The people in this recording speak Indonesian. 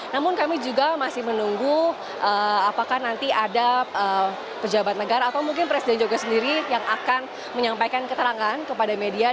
namun kami juga masih menunggu apakah nanti ada pejabat negara atau mungkin presiden jokowi sendiri yang akan menyampaikan keterangan kepada media